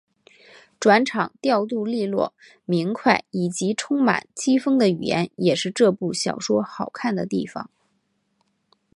转场调度俐落明快以及充满机锋的语言也是这部小说好看的地方。